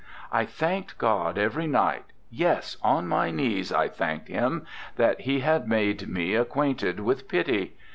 I thanked God every night, yes, on my knees I thanked Him, that He had made me acquainted with pity.